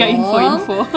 dan akan gak info info